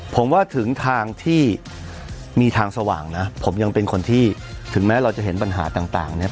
ผมว่าถึงทางที่มีทางสว่างนะผมยังเป็นคนที่ถึงแม้เราจะเห็นปัญหาต่างเนี่ย